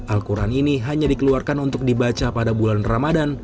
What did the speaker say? al quran ini hanya dikeluarkan untuk dibaca pada bulan ramadan